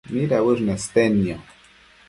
midauësh nestednio?